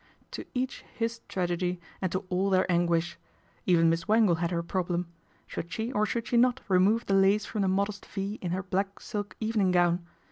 To each his tragedy and to all their anguish. Even Miss Wangle had her problem. Should she or should she not remove the lace from the modest V in her black silk evening gown.